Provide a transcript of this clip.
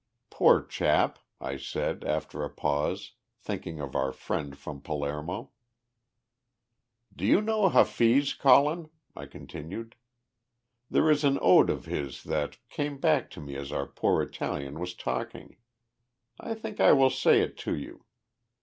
"Poor chap!" I said, after a pause, thinking of our friend from Pal aer mo. "Do you know Hafiz, Colin?" I continued. "There is an ode of his that came back to me as our poor Italian was talking. I think I will say it to you.